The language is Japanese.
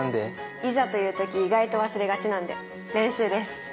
いざという時意外と忘れがちなんで練習です。